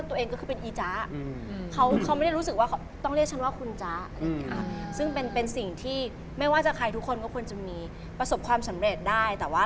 สิ่งที่สำคัญที่สุดที่เกิดก็คือว่าไม่ว่าเราจะประสบผลความเสมอเหม็นเท่าไหร่